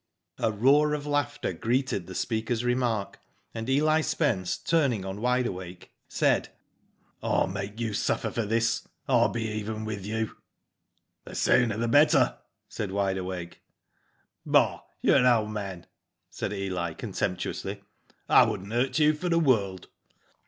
A roar of laughter greeted the speaker's re mark, and Eli Spence, turning on Wide Awake, Digitized byGoogk 86 WHO DID IT? said, ^' ril make you suffer for this. V\\ be even with you." "The sooner the better/^ said Wide Awake. "Bah! you're an old man," said Eli, contemp tuously. " I wouldn't hurt you for the world."